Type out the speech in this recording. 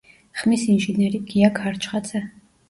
ხმის ინჟინერი: გია ქარჩხაძე.